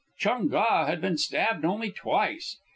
Chung Ga had been stabbed only twice.